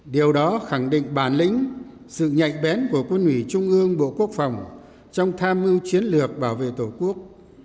điều đó khẳng định bản lĩnh sự nhạy bén của quân ủy trung ương bộ quốc phòng trong tham mưu chiến lược bảo vệ tổ quốc